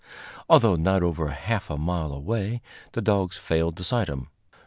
Although not over a half mile away, the dogs failed to sight him.